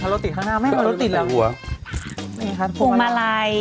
ทะลัวติดข้างหน้าไม่มีติดหรือพุงมาลัย